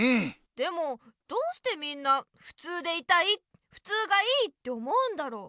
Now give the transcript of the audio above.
でもどうしてみんなふつうでいたいふつうがいいって思うんだろう？